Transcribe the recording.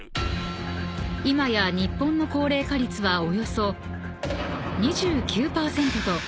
［今や日本の高齢化率はおよそ］